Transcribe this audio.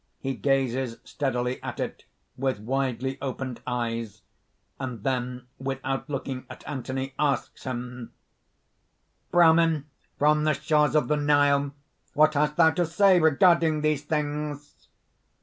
He gazes steadily at it with widely opened eyes; and, then without looking at Anthony, asks him_: ) "Brahmin from the shores of the Nile, what hast thou to say regarding these things?"